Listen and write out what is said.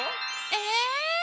え⁉